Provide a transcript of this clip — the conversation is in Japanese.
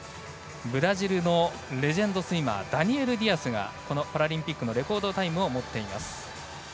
ブラジルのレジェンドスイマーダニエル・ディアスがこのパラリンピックのレコードタイムを持っています。